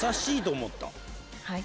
はい。